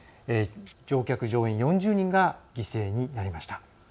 乗客・乗員４０人が犠牲になりました。